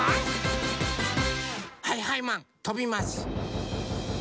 はいはいマンとびます。